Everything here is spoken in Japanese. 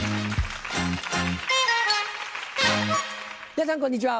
皆さんこんにちは。